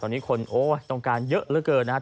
ตอนนี้คนโอ้ยต้องการเยอะเหลือเกินนะครับ